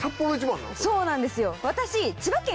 そうなんですよ私。